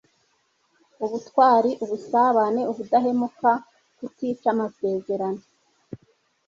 ubutwari, ubusabane, ubudahemuka, kutica amasezerano